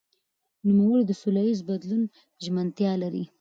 نوموړي د سولهییز بدلون ژمنتیا لري.